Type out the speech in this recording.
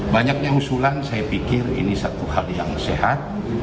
banyaknya usulan saya pikir ini satu hal yang sehat